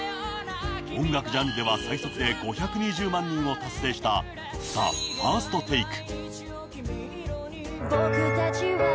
音楽ジャンルでは最速で５２０万人を達成したＴＨＥＦＩＲＳＴＴＡＫＥ。